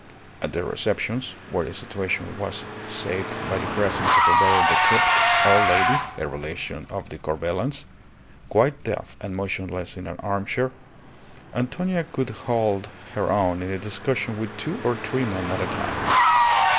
At the receptions where the situation was saved by the presence of a very decrepit old lady (a relation of the Corbelans), quite deaf and motionless in an armchair Antonia could hold her own in a discussion with two or three men at a time.